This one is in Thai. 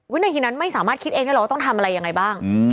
วินาทีนั้นไม่สามารถคิดเองได้หรอกว่าต้องทำอะไรยังไงบ้าง